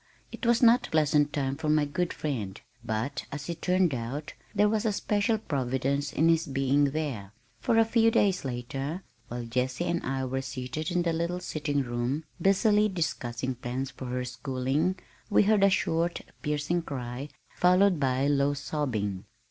It was not a pleasant time for my good friend, but, as it turned out, there was a special providence in his being there, for a few days later, while Jessie and I were seated in the little sitting room busily discussing plans for her schooling we heard a short, piercing cry, followed by low sobbing.